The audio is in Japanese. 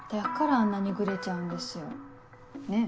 あんなにグレちゃうんですよ。ねぇ？